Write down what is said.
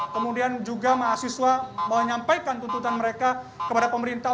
kemudian juga mahasiswa menyampaikan tuntutan mereka kepada pemerintah